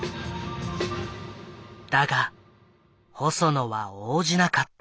だが細野は応じなかった。